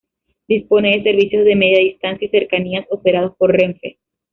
Dispone de servicios de Media Distancia y Cercanías operados por Renfe.